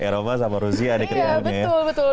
roma sama rusia di ketinggiannya